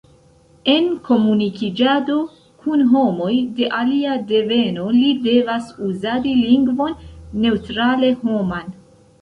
En komunikiĝado kun homoj de alia deveno li devas uzadi lingvon neŭtrale-homan.